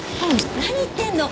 何言ってんの！